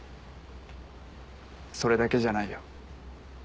それだけじゃないよ。